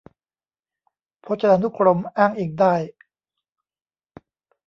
พจนานุกรมอ้างอิงได้